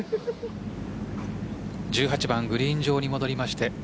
１８番、グリーン上に戻りまして